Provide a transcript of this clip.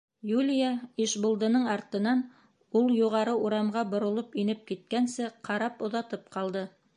Юлия Ишбулдының артынан ул юғары урамға боролоп инеп киткәнсе ҡарап, оҙатып ҡалды.